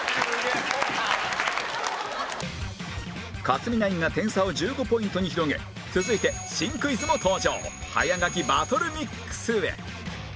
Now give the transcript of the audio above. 克実ナインが点差を１５ポイントに広げ続いて新クイズも登場早書きバトル ＭＩＸ へ